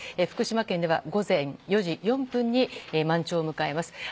福島県では午前４時４分に満潮を迎えます。